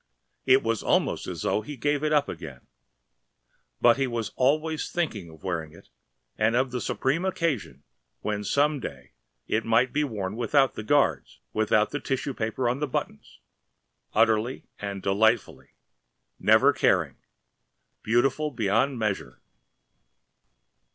It was almost as though he gave it up again. But he was always thinking of wearing it and of the supreme occasion when some day it might be worn without the guards, without the tissue paper on the buttons, utterly and delightfully, never caring, beautiful beyond measure.